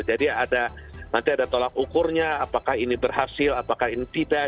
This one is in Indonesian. jadi ada nanti ada tolak ukurnya apakah ini berhasil apakah ini tidak